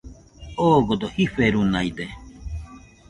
Ogodo jiferunaide